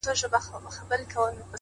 پېژندلی پر ایران او پر خُتن وو،